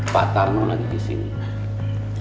pak tarno lagi disini